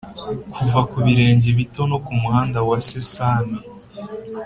kuva ku birenge bito, no ku muhanda wa sesame,